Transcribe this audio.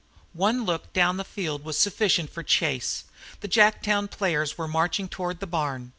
One look down the field was sufficient for Chase. The Jacktown players were marching toward the barn.